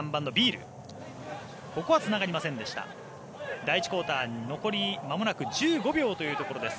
第１クオーター、残りまもなく１５秒というところです。